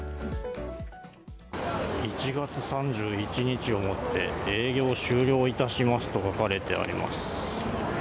１月３１日をもって営業を終了いたしますと書かれてあります。